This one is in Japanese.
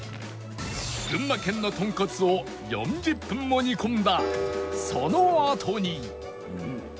群馬県の豚骨を４０分も煮込んだそのあとに